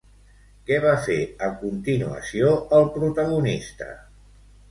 Què va fer a continuació el protagonista?